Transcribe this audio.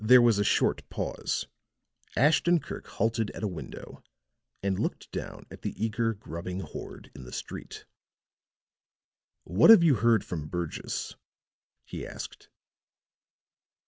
There was a short pause; Ashton Kirk halted at a window, and looked down at the eager, grubbing horde in the street. "What have you heard from Burgess?" he asked.